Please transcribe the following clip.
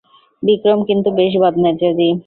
বিক্রম কিন্তু বেশ বদমেজাজী।